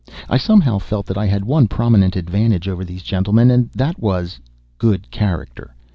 I somehow felt that I had one prominent advantage over these gentlemen, and that was good character.